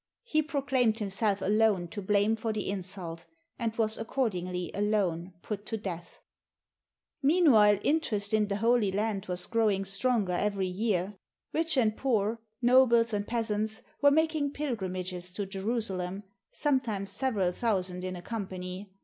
He proclaimed himself alone to blame for the insult, and was accordingly alone put to death. [Meanwhile, interest in the Holy Land was growing stronger every year. Rich and poor, nobles and peasants, were making pilgrimages to Jerusalem, sometimes several thousand in a company.